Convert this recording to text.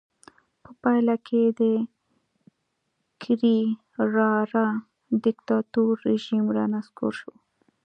په پایله کې د کرېرارا دیکتاتور رژیم رانسکور شو.